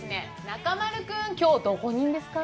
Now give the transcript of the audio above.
中丸君、きょうどこにいるんですか？